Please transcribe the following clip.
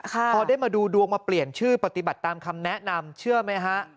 พอได้มาดูดวงมาเปลี่ยนชื่อปฏิบัติตามคำแนะนำเชื่อไหมฮะ